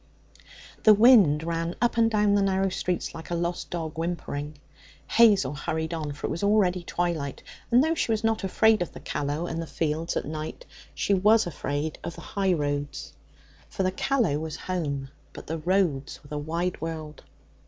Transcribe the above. The wind ran up and down the narrow streets like a lost dog, whimpering. Hazel hurried on, for it was already twilight, and though she was not afraid of the Callow and the fields at night, she was afraid of the high roads. For the Callow was home, but the roads were the wide world.